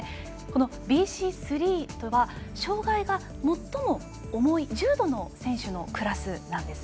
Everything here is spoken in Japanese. ＢＣ３とは障がいが最も重い重度の選手のクラスです。